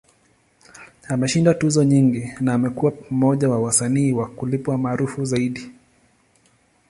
Ameshinda tuzo nyingi, na amekuwa mmoja wa wasanii wa kulipwa maarufu zaidi.